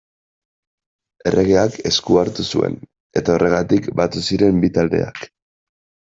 Erregeak esku hartu zuen, eta horregatik batu ziren bi taldeak.